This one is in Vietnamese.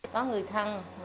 có người thăng